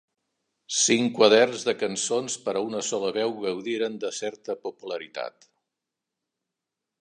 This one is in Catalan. Cinc quaderns de cançons per a una sola veu gaudiren de certa popularitat.